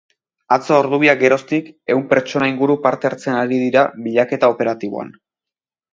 Atzo ordubiak geroztik ehun pertsona inguru parte hartzen ari dira bilaketa operatiboan.